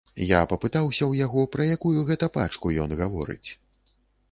Я папытаўся ў яго, пра якую гэта пачку ён гаворыць.